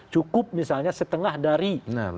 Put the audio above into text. cukup misalnya setengah dari